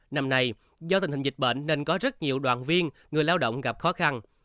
năm nay do tình hình dịch bệnh nên có rất nhiều đoàn viên người lao động gặp khó khăn